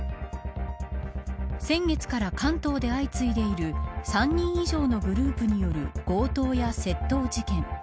先月から関東で相次いでいる３人以上のグループによる強盗や窃盗事件。